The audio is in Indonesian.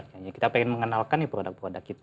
hanya kita pengen mengenalkan nih produk produk kita